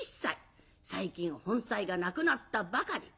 最近本妻が亡くなったばかり。